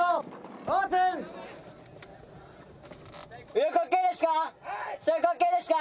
・左翼ＯＫですか？